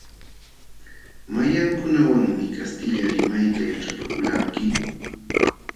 ¿Mayqankunawanmi kastilla limayta yaćhapakulqanki?